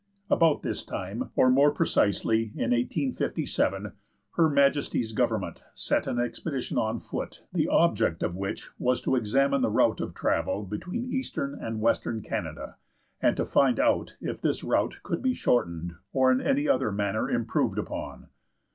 About this time, or, more precisely, in 1857, Her Majesty's Government set an expedition on foot, the object of which was to examine the route of travel between eastern and western Canada, and to find out if this route could be shortened, or in any other manner improved upon.